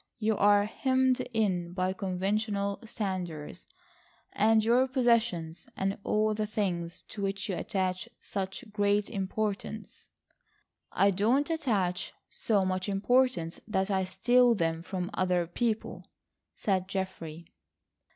You are hemmed in by conventional standards, and your possessions, and all the things to which you attach such great importance." "I don't attach so much importance that I steal them from other people," said Geoffrey.